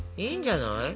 いいんじゃない？